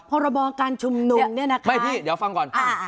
พรบการชุมนุมเนี่ยนะคะไม่พี่เดี๋ยวฟังก่อน